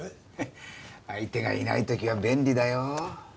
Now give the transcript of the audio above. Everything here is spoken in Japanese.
相手がいない時は便利だよ。